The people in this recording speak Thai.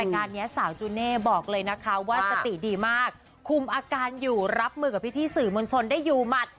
งานนี้สาวจูเน่บอกเลยนะคะว่าสติดีมากคุมอาการอยู่รับมือกับพี่สื่อมวลชนได้อยู่หมัด